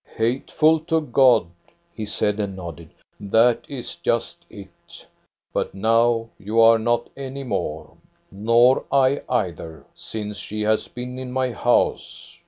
" Hateful to God," he said and nodded. " That is just it. But now you are not any more ; nor I either, since she has been in my house.